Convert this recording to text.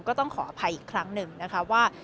ก็ต้องขออภัยอีกครั้งหนึ่งนะคะว่า